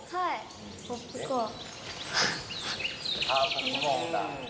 あポップコーンだ。